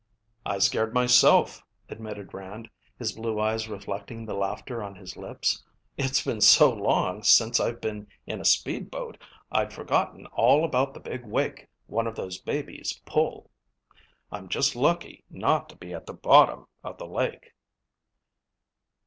"I scared myself," admitted Rand, his blue eyes reflecting the laughter on his lips. "It's been so long since I've been in a speedboat I'd forgotten all about the big wake one of those babies pull. I'm just lucky not to be at the bottom of the lake."